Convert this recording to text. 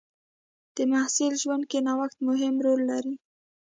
د محصل ژوند کې نوښت مهم رول لري.